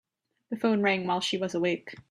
The phone rang while she was awake.